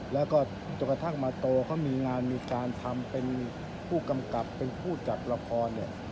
แล้วก็จนกระทั่งมาโตเขามีงานมีการทำเป็นผู้กำกับเป็นผู้จัดละครเนี่ย